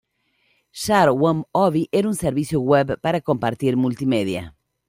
Share on Ovi era un servicio web para compartir multimedia.